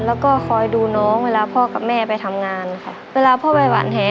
แล้วก็คอยดูน้องเวลาพ่อกับแม่ไปทำงานค่ะเวลาพ่อไปหวานแห